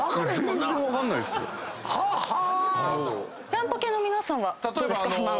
ジャンポケの皆さんはどうですか？